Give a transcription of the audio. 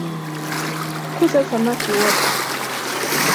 Kuza samaki woti